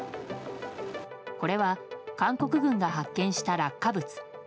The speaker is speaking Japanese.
これは、韓国軍が発見した落下物。